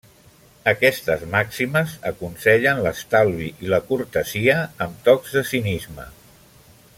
Aquestes màximes aconsellen l'estalvi i la cortesia, amb tocs de cinisme.